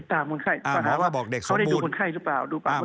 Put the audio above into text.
หมอก็บอกว่าเด็กสมบูรณ์